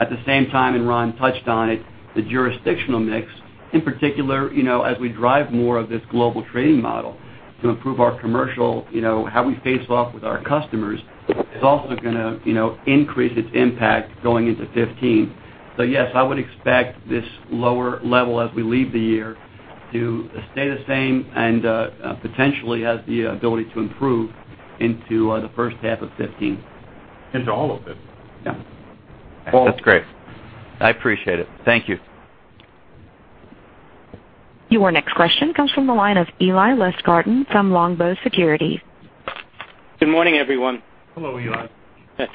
At the same time, Ron touched on it, the jurisdictional mix, in particular, as we drive more of this global trading model to improve our commercial, how we face off with our customers, is also going to increase its impact going into 2015. Yes, I would expect this lower level as we leave the year to stay the same and potentially has the ability to improve into the first half of 2015. Into all of it. Yeah. That's great. I appreciate it. Thank you. Your next question comes from the line of Eli Lustgarten from Longbow Research. Good morning, everyone. Hello, Eli. You've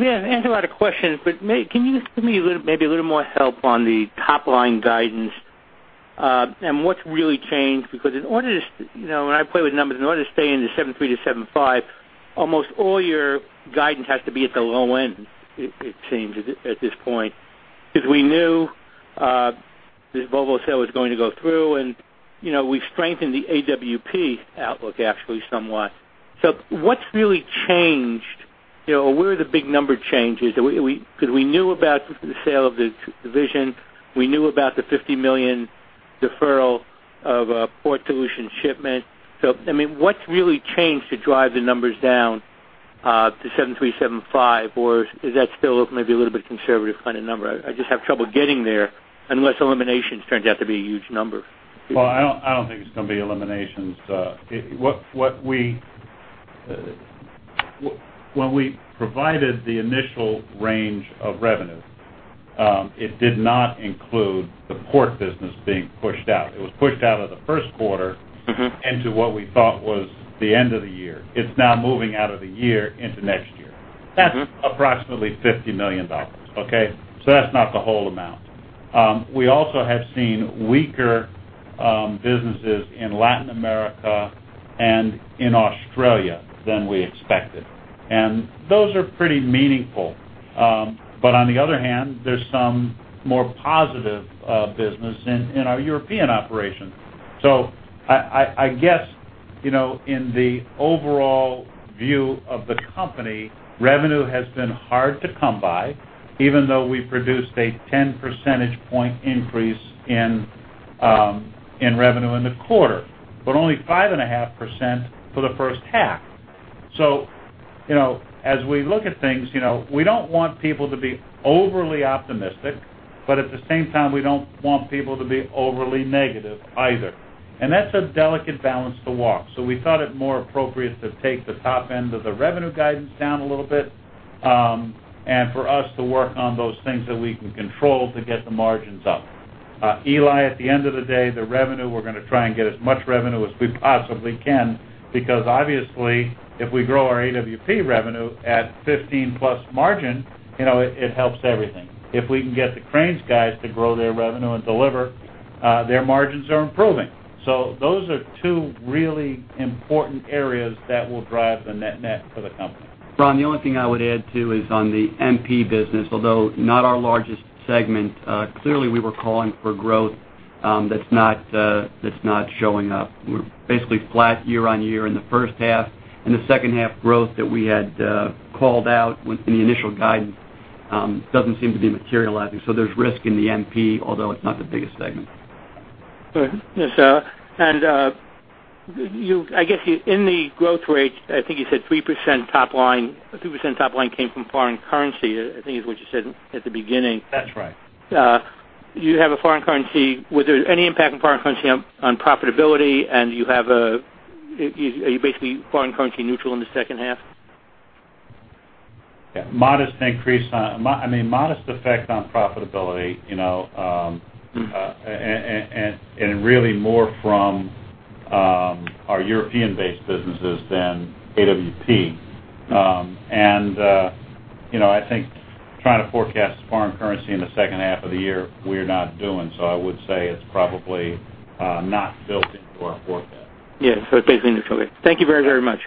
answered a lot of questions, but can you give me maybe a little more help on the top-line guidance and what's really changed? When I play with numbers, in order to stay in the $7.3-$7.5, almost all your guidance has to be at the low end, it seems, at this point. We knew this Volvo sale was going to go through, and we've strengthened the AWP outlook actually somewhat. What's really changed? Where are the big number changes? We knew about the sale of the division. We knew about the $50 million deferral of Port Solution shipment. What's really changed to drive the numbers down to $7.3, $7.5, or is that still maybe a little bit conservative kind of number? I just have trouble getting there unless eliminations turns out to be a huge number. Well, I don't think it's going to be eliminations. When we provided the initial range of revenue, it did not include the Port business being pushed out. It was pushed out of the first quarter into what we thought was the end of the year. It's now moving out of the year into next year. That's approximately $50 million. Okay? That's not the whole amount. We also have seen weaker businesses in Latin America and in Australia than we expected, and those are pretty meaningful. On the other hand, there's some more positive business in our European operations. I guess, in the overall view of the company, revenue has been hard to come by, even though we produced a 10 percentage point increase in revenue in the quarter, but only 5.5% for the first half. As we look at things, we don't want people to be overly optimistic, but at the same time, we don't want people to be overly negative either. That's a delicate balance to walk. We thought it more appropriate to take the top end of the revenue guidance down a little bit, and for us to work on those things that we can control to get the margins up. Eli, at the end of the day, the revenue, we're going to try and get as much revenue as we possibly can because obviously if we grow our AWP revenue at 15-plus margin, it helps everything. If we can get the Cranes guys to grow their revenue and deliver, their margins are improving. Those are two really important areas that will drive the net for the company. Ron, the only thing I would add, too, is on the MP business, although not our largest segment, clearly we were calling for growth that's not showing up. We're basically flat year-on-year in the first half, and the second half growth that we had called out in the initial guidance doesn't seem to be materializing. There's risk in the MP, although it's not the biggest segment. Go ahead. Yes, sir. I guess in the growth rate, I think you said 3% top line came from foreign currency, I think is what you said at the beginning. That's right. You have a foreign currency. Was there any impact on foreign currency on profitability, and are you basically foreign currency neutral in the second half? Yeah, modest effect on profitability, really more from our European-based businesses than AWP. I think trying to forecast foreign currency in the second half of the year, we're not doing so. I would say it's probably not built into our forecast. Yeah. Basically neutral, then. Thank you very much.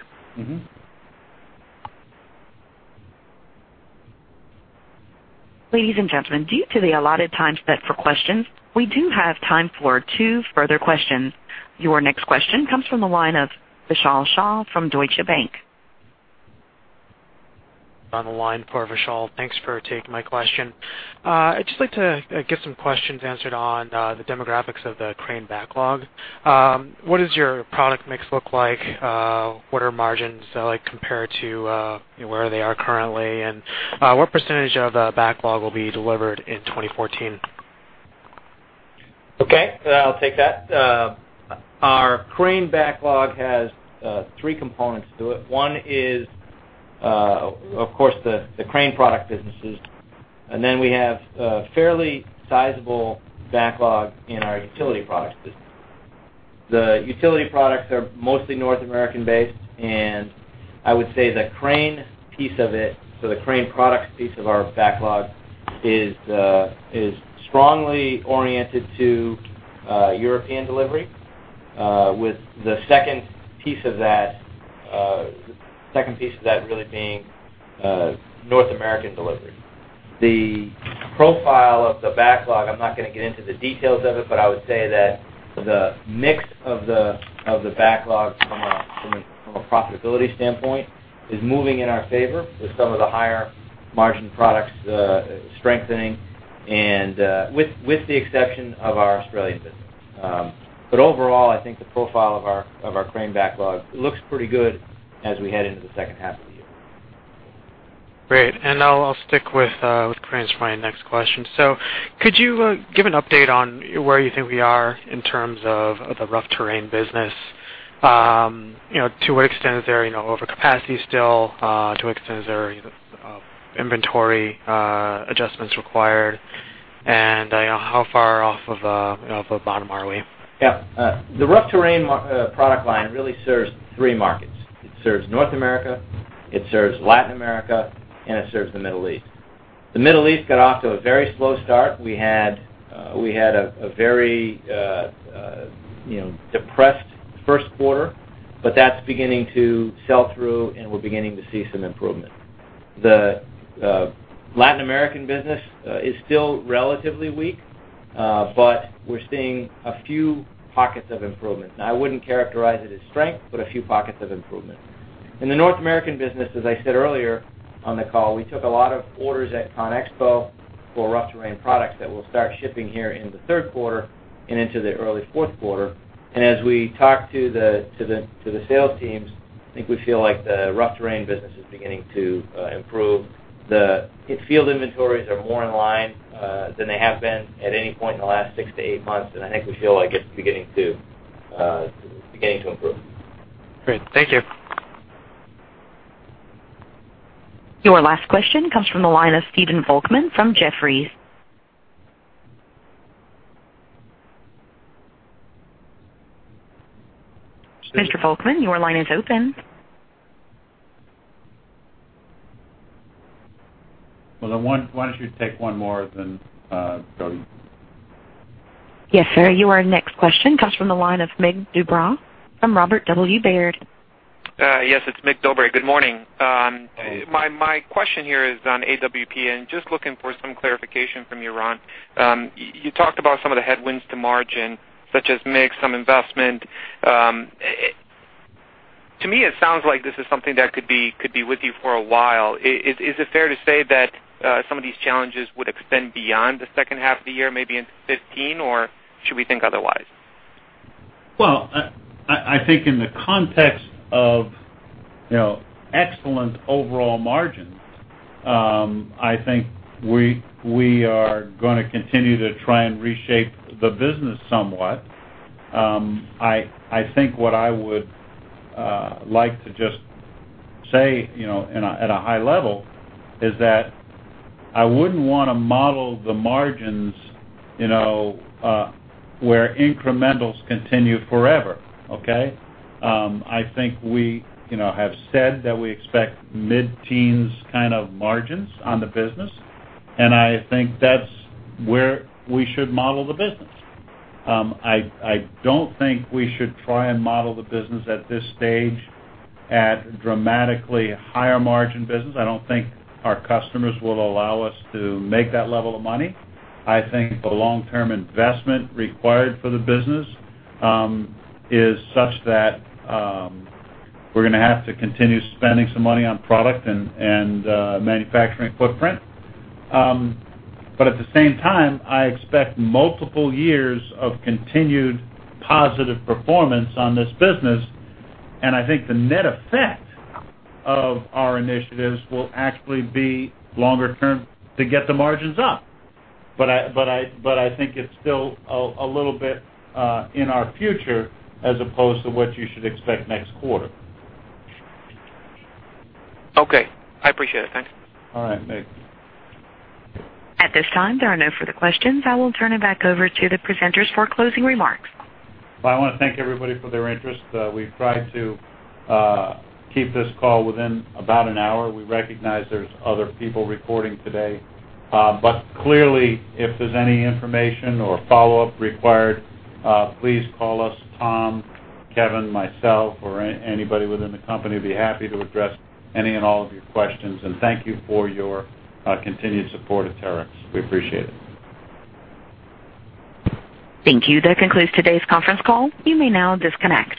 Ladies and gentlemen, due to the allotted time set for questions, we do have time for two further questions. Your next question comes from the line of Vishal Shah from Deutsche Bank. On the line for Vishal. Thanks for taking my question. I'd just like to get some questions answered on the demographics of the Crane backlog. What does your product mix look like? What are margins like compared to where they are currently, and what percentage of the backlog will be delivered in 2014? Okay. I'll take that. Our Crane backlog has three components to it. One is, of course, the Crane product businesses, and then we have a fairly sizable backlog in our utility products business. The utility products are mostly North American-based, and I would say the Crane piece of it, so the Crane products piece of our backlog is strongly oriented to European delivery, with the second piece of that really being North American delivery. The profile of the backlog, I'm not going to get into the details of it, but I would say that the mix of the backlog from a profitability standpoint is moving in our favor with some of the higher-margin products strengthening and with the exception of our Australian business. Overall, I think the profile of our Crane backlog looks pretty good as we head into the second half of the year. Great. I'll stick with Cranes for my next question. Could you give an update on where you think we are in terms of the rough terrain business? To what extent is there overcapacity still? To what extent is there inventory adjustments required? How far off of the bottom are we? Yeah. The rough terrain product line really serves three markets. It serves North America, it serves Latin America, and it serves the Middle East. The Middle East got off to a very slow start. We had a very depressed first quarter, but that's beginning to sell through, and we're beginning to see some improvement. The Latin American business is still relatively weak, but we're seeing a few pockets of improvement. Now, I wouldn't characterize it as strength, but a few pockets of improvement. In the North American business, as I said earlier on the call, we took a lot of orders at ConExpo for rough terrain products that will start shipping here in the third quarter and into the early fourth quarter. As we talk to the sales teams, I think we feel like the rough terrain business is beginning to improve. The field inventories are more in line than they have been at any point in the last six to eight months, and I think we feel like it's beginning to improve. Great. Thank you. Your last question comes from the line of Stephen Volkmann from Jefferies. Mr. Volkmann, your line is open. Well, why don't you take one more, then go to him? Yes, sir. Your next question comes from the line of Mircea Dobre from Robert W. Baird. Yes, it's Mircea Dobre. Good morning. Morning. My question here is on AWP, and just looking for some clarification from you, Ron. You talked about some of the headwinds to margin, such as mix, some investment. To me, it sounds like this is something that could be with you for a while. Is it fair to say that some of these challenges would extend beyond the second half of the year, maybe into 2015, or should we think otherwise? Well, I think in the context of excellent overall margins, I think we are going to continue to try and reshape the business somewhat. I think what I would like to just say at a high level is that I wouldn't want to model the margins where incrementals continue forever. Okay? I think we have said that we expect mid-teens kind of margins on the business, and I think that's where we should model the business. I don't think we should try and model the business at this stage at dramatically higher margin business. I don't think our customers will allow us to make that level of money. I think the long-term investment required for the business is such that we're going to have to continue spending some money on product and manufacturing footprint. At the same time, I expect multiple years of continued positive performance on this business, and I think the net effect of our initiatives will actually be longer term to get the margins up. I think it's still a little bit in our future as opposed to what you should expect next quarter. Okay, I appreciate it. Thanks. All right, Nick. At this time, there are no further questions. I will turn it back over to the presenters for closing remarks. Well, I want to thank everybody for their interest. We've tried to keep this call within about an hour. We recognize there's other people reporting today. Clearly, if there's any information or follow-up required, please call us, Tom, Kevin, myself, or anybody within the company. Be happy to address any and all of your questions. Thank you for your continued support of Terex. We appreciate it. Thank you. That concludes today's conference call. You may now disconnect.